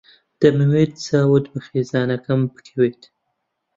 دەمەوێت چاوت بە خێزانەکەم بکەوێت.